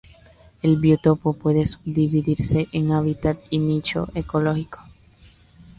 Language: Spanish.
El biotopo puede subdividirse en hábitat y nicho ecológico.